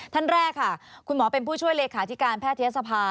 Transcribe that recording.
ท่านแรกค่ะคุณหมอเป็นผู้ช่วยเลขาธิการแพทยศภา